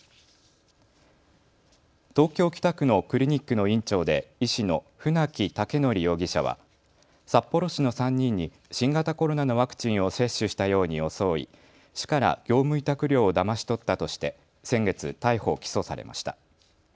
東京北区のクリニックの院長で医師の船木威徳容疑者は札幌市の３人に新型コロナのワクチンを接種したように装い市から業務委託料をだまし取ったとして先月逮捕・起訴されました。